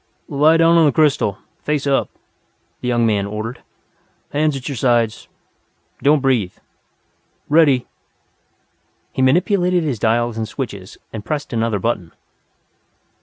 "Lie down on the crystal, face up," the young man ordered. "Hands at your sides, don't breathe. Ready!" He manipulated his dials and switches, and pressed another button.